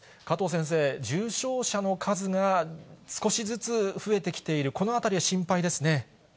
加藤先生、重症者の数が少しずつ増えてきている、このあたりは心配ですね。